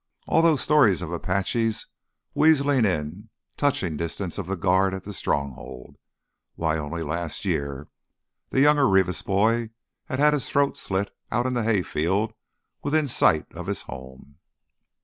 All those stories of Apaches weaseling into touching distance of the guard at the Stronghold.... Why, only last year the younger Rivas boy had had his throat slit out in the hay field within sight of his home!